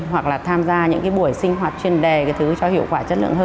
hoặc là tham gia những cái buổi sinh hoạt chuyên đề cái thứ cho hiệu quả chất lượng hơn